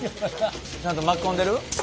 ちゃんと巻き込んでる？